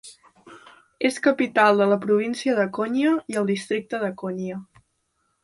És capital de la província de Konya i el districte de Konya.